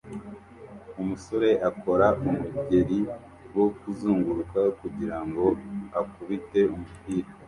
Umusore akora umugeri wo kuzunguruka kugirango akubite umupira